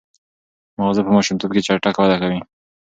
ماغزه په ماشومتوب کې چټک وده کوي.